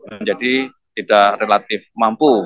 menjadi tidak relatif mampu